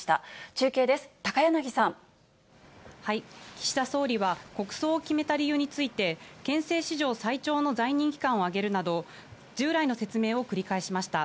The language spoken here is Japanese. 中継です、岸田総理は、国葬を決めた理由について、憲政史上最長の在任期間を挙げるなど、従来の説明を繰り返しました。